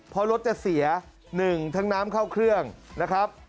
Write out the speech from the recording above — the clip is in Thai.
เพราะรถจะเสีย๑ทั้งน้ำเข้าเครื่องนะครับ